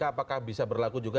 apakah bisa berlaku juga